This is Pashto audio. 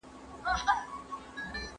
بې عدالتي ټولنه له منځه وړي.